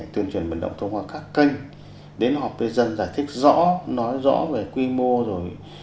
tuyên truyền vận động thông qua các kênh đến họp với dân giải thích rõ nói rõ về quy mô rồi